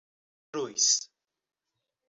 Cruz